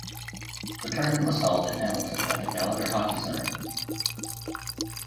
The tournament was held in Hamilton at the Gallagher Hockey Centre.